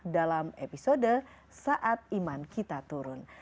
dalam episode saat iman kita turun